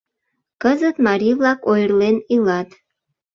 Кызыт марий-влак ойырлен илат.